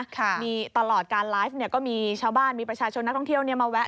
ค่ะมีตลอดการไลฟ์เนี่ยก็มีชาวบ้านมีประชาชนนักท่องเที่ยวเนี่ยมาแวะ